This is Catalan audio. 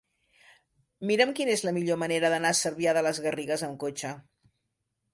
Mira'm quina és la millor manera d'anar a Cervià de les Garrigues amb cotxe.